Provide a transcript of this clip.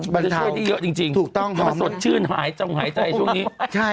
มันช่วยด้วยเยอะจริงสดชื่นหายต้องหายใจช่วงนี้อืมบรรทาวน์ถูกต้องหอม